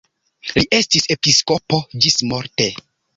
Li estis episkopo ĝismorte.